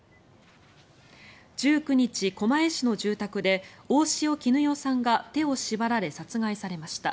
１９日、狛江市の住宅で大塩衣與さんが手を縛られ殺害されました。